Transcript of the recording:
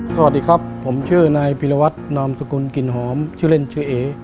สวัสดีครับผมชื่อนายพิรวัตนามสกุลกลิ่นหอมชื่อเล่นชื่อเอ